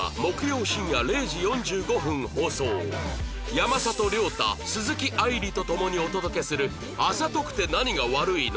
山里亮太鈴木愛理と共にお届けする『あざとくて何が悪いの？』